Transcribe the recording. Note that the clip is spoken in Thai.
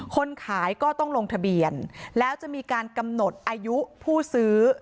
คนขายก็ต้องลงทะเบียนแล้วจะมีการกำหนดอายุผู้ซื้อ